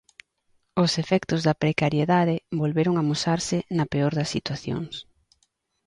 Os efectos da precariedade volveron amosarse na peor das situacións.